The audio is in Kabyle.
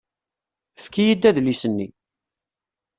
Efk-iyi-d adlis-nni.